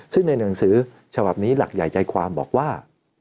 ซึ่งในหนังสือฉบับนี้หลักใหญ่ใจความบอกว่า